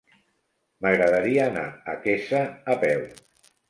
M'agradaria anar a Quesa a peu.